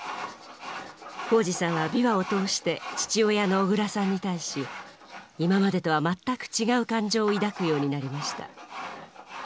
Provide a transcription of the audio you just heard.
宏司さんは琵琶を通して父親の小椋さんに対し今までとは全く違う感情を抱くようになりました。